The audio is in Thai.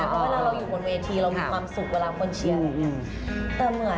เพราะเวลาเราอยู่บนเวทีเรามีความสุขเวลาคนเชียร์อะไรอย่างนี้